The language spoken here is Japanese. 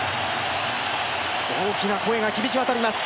大きな声が響きわたります